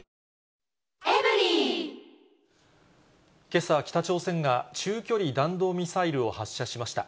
けさ、北朝鮮が中距離弾道ミサイルを発射しました。